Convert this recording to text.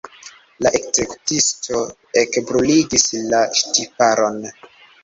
La ekzekutisto ekbruligis la ŝtiparon.